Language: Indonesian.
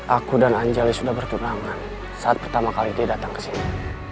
aku dan anjali sudah berkurangan saat pertama kali dia datang ke sini